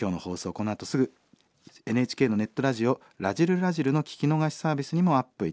このあとすぐＮＨＫのネットラジオ「らじる★らじる」の聴き逃しサービスにもアップいたします。